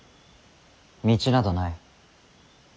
道などない。